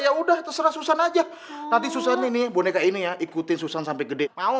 ya udah terserah susan aja nanti susan ini boneka ini ya ikutin susan sampai gede mau